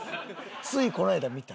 ついこの間見た。